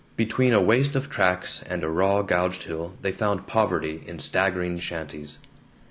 Between a waste of tracks and a raw gouged hill they found poverty in staggering shanties.